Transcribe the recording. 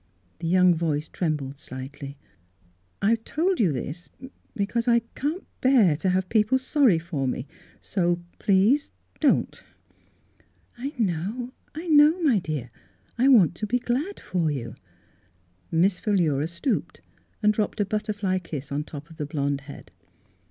The young voice trembled slightly. " I've told you this because I — I can't bear to have people sorry for me. So — please — don't." " I know — I know, my dear. I want to be glad for you." Miss Philura stooped and dropped a butterfly kiss on top of the blond head.